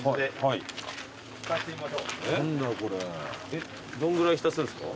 えっどんぐらい浸すんですか？